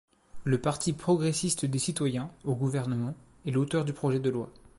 Le Parti progressiste des citoyens, au gouvernement, est l'auteur du projet de loi.